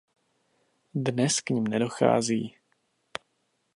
Dnes k nim nedochází.